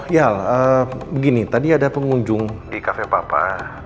ya begini tadi ada pengunjung di kafe papa